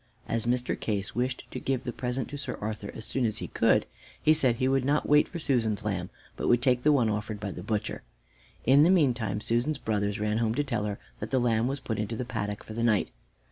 As Mr. Case wished to give the present to Sir Arthur as soon as he could, he said he would not wait for Susan's lamb, but would take the one offered by the butcher. In the meantime Susan's brothers ran home to tell her that the lamb was put into the paddock for the night.